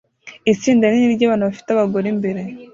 Itsinda rinini ryabantu bafite abagore imbere